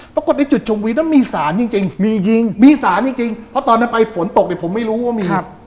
ปรากฏจุดชมวิวนะมีศาลจริงเพราะตอนไปฝนตกเดี๋ยวผมไม่รู้ว่ามี